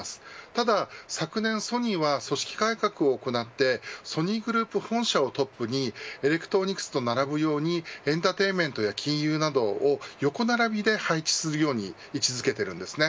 ただ昨年ソニーは組織改革を行ってソニーグループ本社をトップにエレクトロニクスと並ぶようにエンターテインメントや金融などを横並びで配置するように位置付けているんですね。